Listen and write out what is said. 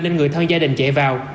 nên người thân gia đình chạy vào